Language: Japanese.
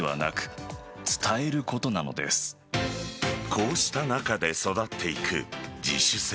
こうした中で育っていく自主性。